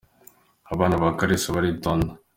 Abana ba Kalisa baritonda.